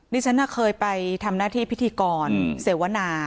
ฉันเคยไปทำหน้าที่พิธีกรเสวนา